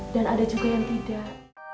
dan ada juga yang tidak